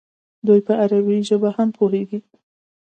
دوی په عربي ژبه هم پوهېږي.